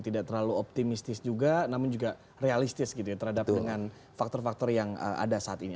tidak terlalu optimistis juga namun juga realistis gitu ya terhadap dengan faktor faktor yang ada saat ini